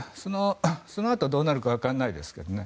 そのあとはどうなるか分からないですけどね。